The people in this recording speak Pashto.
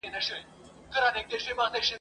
پر زړه هر گړی را اوري ستا یادونه !.